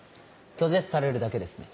拒絶されるだけですね。